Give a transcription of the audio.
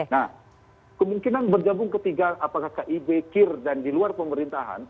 nah kemungkinan bergabung ketiga apakah kib kir dan di luar pemerintahan